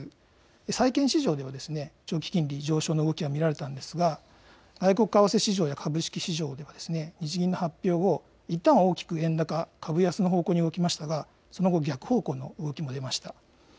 債券市場では、長期金利上昇の動きが見られたんですが、外国為替市場や株式市場では、日銀の発表後、いったんは大きく円高株安の方向に動きましたが、その後、逆方向の動きが出ました。